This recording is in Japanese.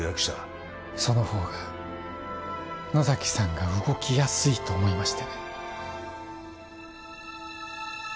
その方が野崎さんが動きやすいと思いましてね